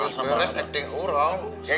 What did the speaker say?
ya gara gara cunin aku aja